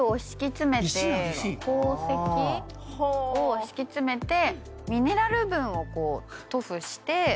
鉱石を敷き詰めてミネラル分を塗布して。